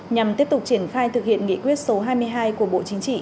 nhằm tiếp tục triển khai thực hiện nghị quyết số hai mươi hai của bộ chính trị